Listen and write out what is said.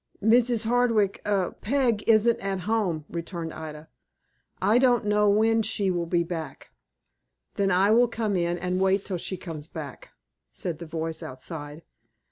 "Mrs. Hardwick Peg isn't at home," returned Ida. "I don't know when she will be back." "Then I will come in and wait till she comes back," said the voice outside.